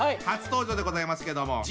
初登場でございますけども。